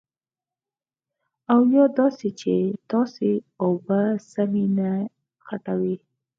او یا داسې دي چې تاسې اوبه سمې نه خوټوئ.